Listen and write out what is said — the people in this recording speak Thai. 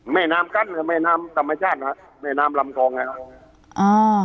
แม่น้ำกั้นหรือแม่น้ำธรรมชาติฮะแม่น้ำลำคลองฮะอ่า